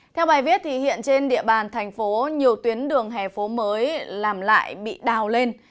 theo bài viết hiện trên địa bàn thành phố nhiều tuyến đường hẻ phố mới làm lại bị đào lên